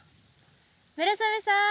・村雨さん！